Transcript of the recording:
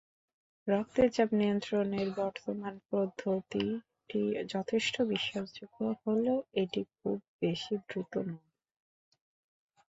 রক্তের চাপ নির্ণয়ের বর্তমান পদ্ধতিটি যথেষ্ট বিশ্বাসযোগ্য হলেও এটি খুব বেশি দ্রুত নয়।